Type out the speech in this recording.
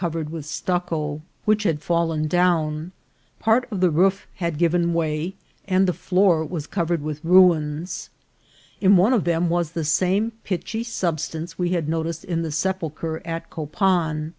259 ered with stucco, which had fallen down ; part of the roof had given way, and the floor was covered with ruins. In one of them was the same pitchy substance we had noticed in the sepulchre at Copan.